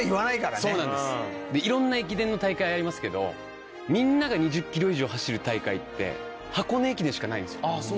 いろんな駅伝の大会ありますけどみんなが２０ｋｍ以上走る大会箱根駅伝しかないんですよ。